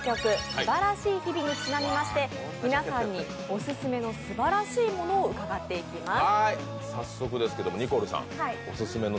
「すばらしい日々」にちなみまして、皆さんにオススメのすばらしいものを伺っていきます。